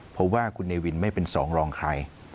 เพราะว่าคุณเนวินไม่เป็นสองรองใคร